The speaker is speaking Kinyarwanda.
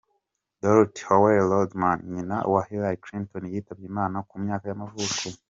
Dorothy Howell Rodham, nyina wa Hillary Clinton yitabye Imana ku myaka y’amavuko.